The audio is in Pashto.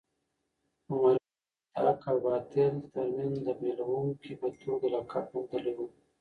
عمر فاروق د حق او باطل ترمنځ د بېلوونکي په توګه لقب موندلی و.